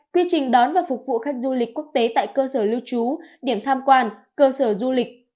quy trình đón và phục vụ khách du lịch quốc tế tại cơ sở lưu trú điểm tham quan cơ sở du lịch